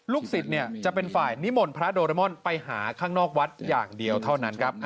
สิทธิ์จะเป็นฝ่ายนิมนต์พระโดเรมอนไปหาข้างนอกวัดอย่างเดียวเท่านั้นครับ